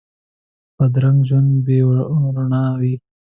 بدرنګه ژوند بې روڼا وي